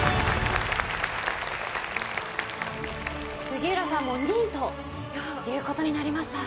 杉浦さんも２位ということになりました。